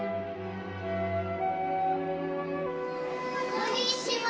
こんにちは。